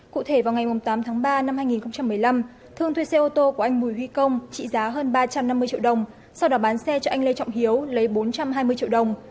cụ thể vào ngày tám tháng ba năm hai nghìn một mươi năm thương thuê xe ô tô của anh bùi huy công trị giá hơn ba trăm năm mươi triệu đồng sau đó bán xe cho anh lê trọng hiếu lấy bốn trăm hai mươi triệu đồng